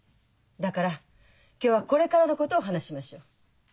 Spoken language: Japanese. だから今日はこれからのことを話しましょう。